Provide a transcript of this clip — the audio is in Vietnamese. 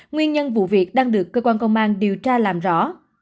nguyên nhân vụ việc đang được cơ quan công an điều tra làm rõ